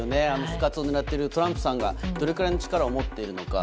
復活を狙っているトランプさんがどれくらいの力を持っているのか。